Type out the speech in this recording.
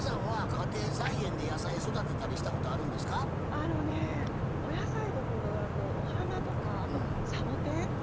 あのねお野菜どころかお花とかあとサボテン